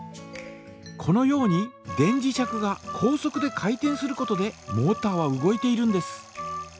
このように電磁石が高速で回転することでモータは動いているんです。